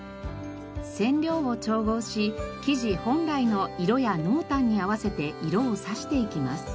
染料を調合し生地本来の色や濃淡に合わせて色をさしていきます。